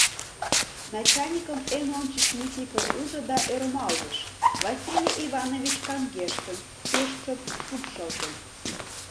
Начальникым эн ончыч Никифор ужо да ӧрмалгыш: Василий Иванович каҥгештын, пеш чот шупшылтын.